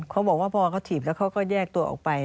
เขาบอกว่าพอเขาถีบแล้วเขาก็แยกตัวออกไป